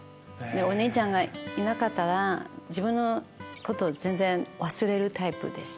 お姉ちゃんがいなかったら自分のことを全然忘れるタイプです。